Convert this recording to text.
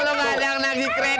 lo ga ada yang nagih kredit